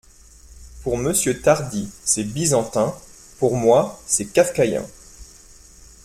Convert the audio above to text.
Pour Monsieur Tardy, c’est byzantin, pour moi c’est kafkaïen.